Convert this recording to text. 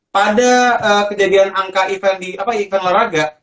pada kejadian angka event di event laraga